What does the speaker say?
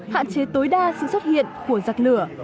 hạn chế tối đa sự xuất hiện của giặc lửa